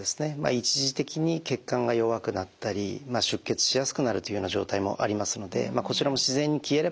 一時的に血管が弱くなったり出血しやすくなるというような状態もありますのでこちらも自然に消えればですね